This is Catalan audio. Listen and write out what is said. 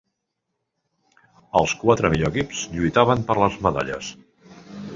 Els quatre millors equips lluitaven per les medalles.